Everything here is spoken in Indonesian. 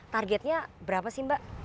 targetnya berapa sih mbak